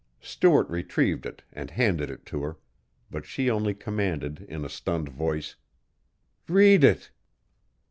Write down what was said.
Stuart retrieved it and handed it to her, but she only commanded in a stunned voice, "Read it."